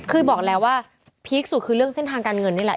คือบอกแล้วว่าพีคสุดคือเรื่องเส้นทางการเงินนี่แหละ